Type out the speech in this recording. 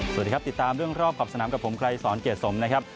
สวัสดีครับติดตามเรื่องรอบขอบสนามกับผมไกรสอนเกียรติสมนะครับ